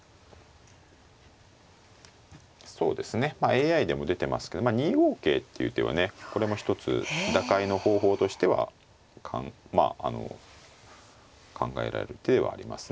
ＡＩでも出てますけど２五桂っていう手はねこれも一つ打開の方法としては考えられる手ではありますね。